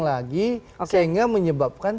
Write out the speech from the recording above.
lagi sehingga menyebabkan